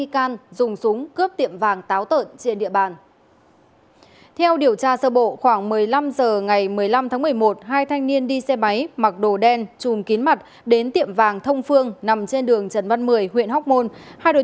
cảm ơn các bạn đã theo dõi